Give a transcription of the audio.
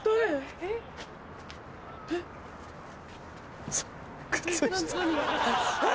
えっ？